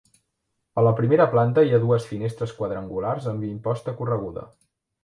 A la primera planta hi ha dues finestres quadrangulars amb imposta correguda.